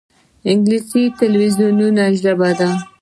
انګلیسي د تلویزونونو ژبه ده